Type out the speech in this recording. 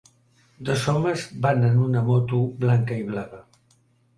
Dos homes van en una moto blanca i blava.